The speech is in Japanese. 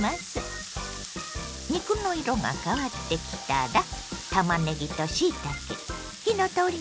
肉の色が変わってきたらたまねぎとしいたけ火の通り